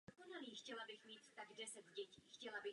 Předtím spolupracovali na filmech Vetřelci a Titanic.